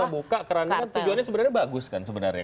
tapi kalau kita buka tujuannya sebenarnya bagus kan sebenarnya